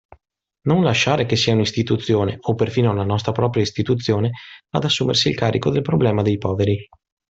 Non lasciare che sia un'istituzione, o perfino la nostra propria istituzione, ad assumersi il carico del problema dei poveri.